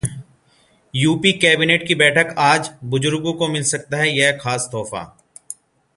UP cabinet की बैठक आज, बुजुर्गों को मिल सकता है यह खास तोहफा